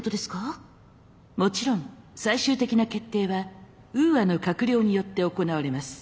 もちろん最終的な決定はウーアの閣僚によって行われます。